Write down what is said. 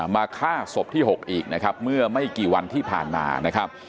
มาฆ่าศพที่๖อีกเมื่อไม่กี่วันที่ผ่านมา